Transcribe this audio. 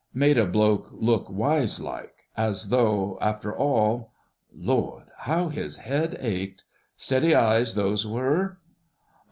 made a bloke look wise like ... as though after all ... Lord! How his head ached.... Steady eyes those were...